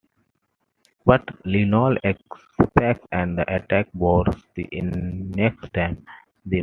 But Lionel escapes, and attacks Bors the next time they meet.